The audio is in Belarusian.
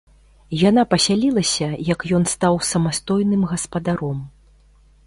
Яна пасялілася, як ён стаў самастойным гаспадаром.